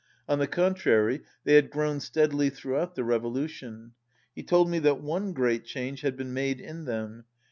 On the contrary, they had grown steadily throughout the revolution. He told me that one great change had been made in them.